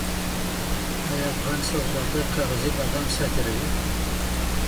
ایا افغان سوداګر کاغذي بادام صادروي؟